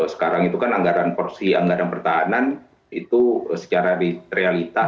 sekarang itu kan anggaran porsi anggaran pertahanan itu secara realita